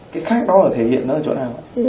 cái khác đó thể hiện nó ở chỗ nào